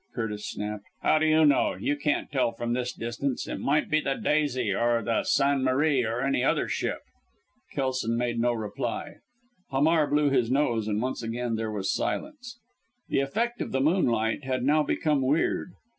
Curtis snapped. "How do you know? You can't tell from this distance. It might be the Daisy, or the San Marie, or any other ship." Kelson made no reply; Hamar blew his nose, and once again there was silence. The effect of the moonlight had now become weird.